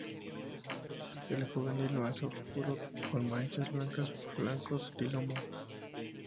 El juvenil es más oscuro, con manchas blancas en flancos y lomo.